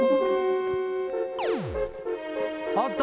あったぞ。